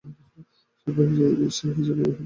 সে হিসাবে ইহাদিগের প্রতি অপুর একটা বিচিত্র আকর্ষণ।